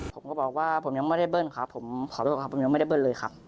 ผมก็บอกว่าผมยังไม่ได้เบิ้ลครับผมขอโทษครับผมยังไม่ได้เบิ้ลเลยครับ